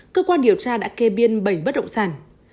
cơ quan điều tra đã kê biên bảy bất động sản